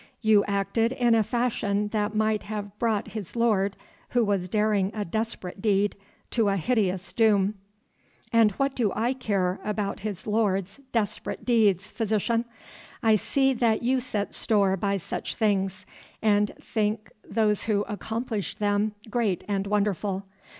You acted in a fashion that might have brought his lord, who was daring a desperate deed, to a hideous doom." "And what do I care about his lord's desperate deeds, Physician? I see that you set store by such things, and think those who accomplish them great and wonderful.